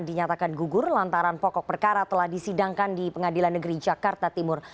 dinyatakan gugur lantaran pokok perkara telah disidangkan di pengadilan negeri jakarta timur